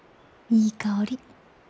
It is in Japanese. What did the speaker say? いい香り。